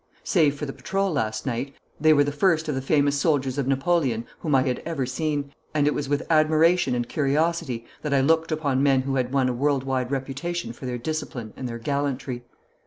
Save for the patrol last night, they were the first of the famous soldiers of Napoleon whom I had ever seen, and it was with admiration and curiosity that I looked upon men who had won a world wide reputation for their discipline and their gallantry.